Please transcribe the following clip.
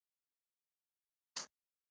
ایا زما عمر به اوږد وي؟